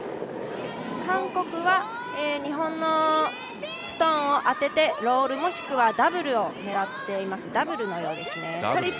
韓国は日本のストーンを当ててロールもしくはダブルを狙っています、ダブルのようですね。